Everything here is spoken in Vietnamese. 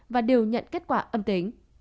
và đều nhận kết quả âm tính